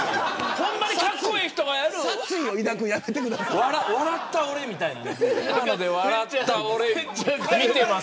本当にかっこいい人がやる笑った俺みたいな。